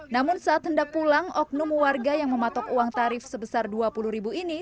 namun saat hendak pulang oknum warga yang mematok uang tarif sebesar rp dua puluh ribu ini